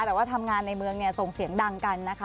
แต่ว่าทำงานในเมืองเนี่ยส่งเสียงดังกันนะคะ